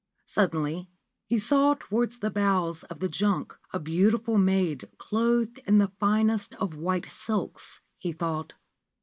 Suddenly he saw towards the bows of the junk a beautiful maid clothed in the finest of white silks (he thought).